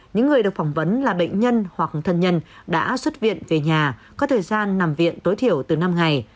những người được phỏng vấn là bệnh nhân hoặc thân nhân đã xuất viện về nhà có thời gian nằm viện tối thiểu từ năm ngày